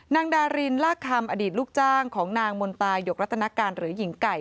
นางดารินลากคำอดีตลูกจ้างของนางมนตายกรัตนการหรือหญิงไก่